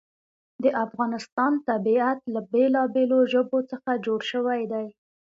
د افغانستان طبیعت له بېلابېلو ژبو څخه جوړ شوی دی.